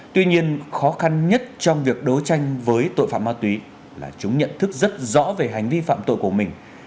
tuy nhiên khó khăn nhất trong việc đấu tranh với tội phạm ma túy là chúng nhận thức rất rõ về hành vi phạm tội của mình